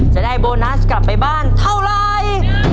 จะได้โบนัสกลับไปบ้านเท่าไร